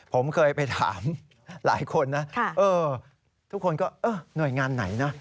ผมเคยไปถามหลายคนนะทุกคนก็เออหน่วยงานไหนนะ